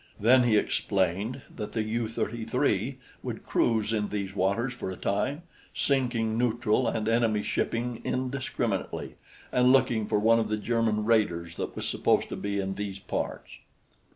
Then he explained that the U 33 would cruise in these waters for a time, sinking neutral and enemy shipping indiscriminately, and looking for one of the German raiders that was supposed to be in these parts.